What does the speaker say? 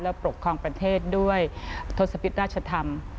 ปกครองประเทศด้วยทศพิษราชธรรม